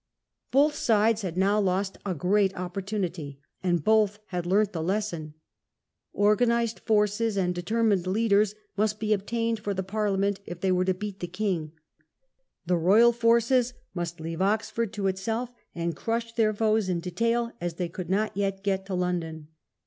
Both sides had now lost a great opportunity, and both had learnt the lesson. Organized forces and determined The lessons leaders must be obtained for Parliament if of failure. they were to beat the king. The Royal forces must leave Oxford to itself, and crush their foes in detail, as they could not yet get to London..